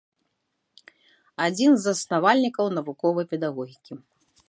Адзін з заснавальнікаў навуковай педагогікі.